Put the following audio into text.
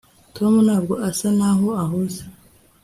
tom ntabwo asa naho ahuze